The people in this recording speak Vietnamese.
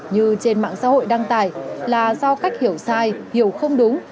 như trên mạng xã hội đăng tải là do cách hiểu sai hiểu không đúng